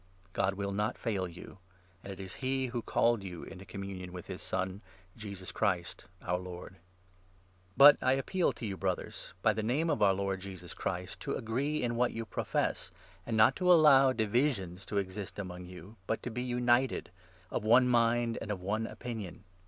God will not fail you, and it is he who 9 called you into communion with his Son, Jesus Christ, our Lord. II. — THE STATE OF THE CHURCH AT CORINTH. But I appeal to you, Brothers, by the Name of 10 Prevalence o*our Lord Jesus Christ, to agree in what you profess, *" and not to allow divisions to exist among you, but to be united — of one mind and of one opinion.